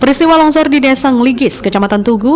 peristiwa longsor di desa ngeligis kecamatan tugu